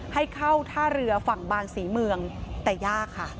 ให้เข้าท่าเรือฝั่งบางศรีเมืองแต่ยากค่ะ